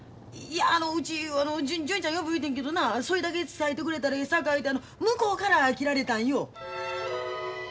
いやあのうち純ちゃん呼ぶ言うてんけどなそいだけ伝えてくれたらええさかいて向こうから切られたんよ。